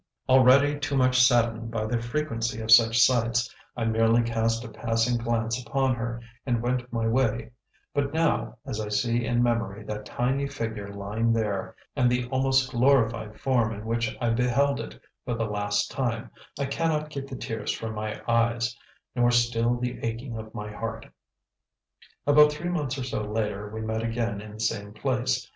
Already too much saddened by the frequency of such sights, I merely cast a passing glance upon her and went my way; but now, as I see in memory that tiny figure lying there, and the almost glorified form in which I beheld it for the last time, I cannot keep the tears from my eyes, nor still the aching of my heart. About three months or so later we met again in the same place.